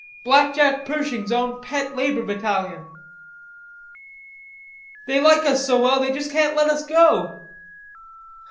Blackjack Pershing's own pet labor battalion." "They like us so well they just can't let us go."